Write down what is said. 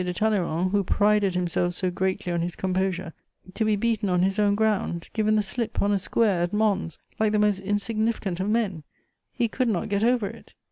de Talleyrand, who prided himself so greatly on his composure, to be beaten on his own ground, given the slip, on a square at Mons, like the most insignificant of men: he could not get over it!